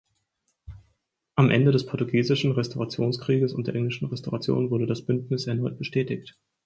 Am Ende des portugiesischen Restaurationskrieges und der englischen Restauration wurde das Bündnis erneut bestätigt.